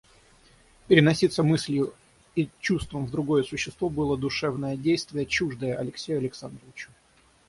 Переноситься мыслью и чувством в другое существо было душевное действие, чуждое Алексею Александровичу.